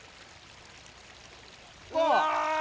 うわ！